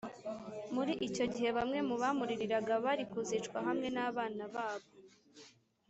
muri icyo gihe, bamwe mu bamuririraga bari kuzicwa hamwe n’abana babo